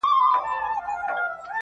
کندهار هم د نور افغانستان په څېر